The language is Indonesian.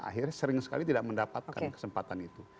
akhirnya sering sekali tidak mendapatkan kesempatan itu